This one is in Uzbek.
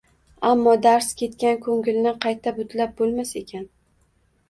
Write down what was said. Ammo darz ketgan ko`ngilni qayta butlab bo`lmas ekan